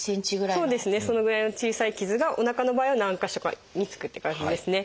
そうですねそのぐらいの小さい傷がおなかの場合は何か所かにつくっていう感じですね。